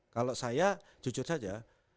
kalau saya jujur saja